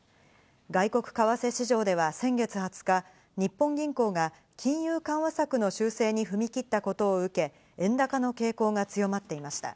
外国為替市場では先月２０日、日本銀行が金融緩和策の修正に踏み切ったことを受け、円高の傾向が強まっていました。